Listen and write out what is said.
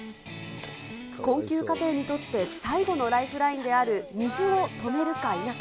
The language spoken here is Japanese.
困窮家庭にとって最後のライフラインである水を止めるか否か。